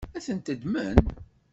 Ad tent-ddmen?